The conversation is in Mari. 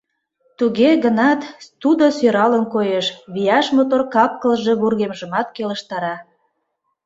Туге гынат тудо сӧралын коеш, вияш мотор кап-кылже вургемжымат келыштара.